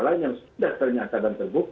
lain yang sudah ternyata dan terbukti